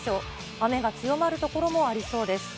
雨が強まる所もありそうです。